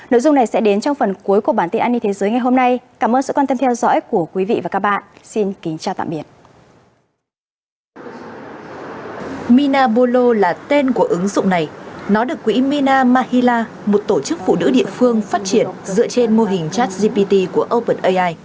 nội dung này sẽ đến trong phần cuối của bản tin an ninh thế giới ngày hôm nay cảm ơn sự quan tâm theo dõi của quý vị và các bạn xin kính chào tạm biệt